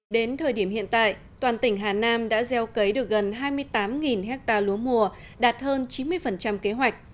đến thời điểm hiện tại toàn tỉnh hà nam đã gieo cấy được gần hai mươi tám ha lúa mùa đạt hơn chín mươi kế hoạch